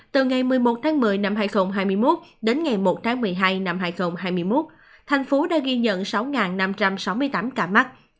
từ ngày một mươi một tháng một mươi năm hai nghìn hai mươi một đến ngày một tháng một mươi hai năm hai nghìn hai mươi một thành phố đã ghi nhận sáu năm trăm sáu mươi tám ca mắc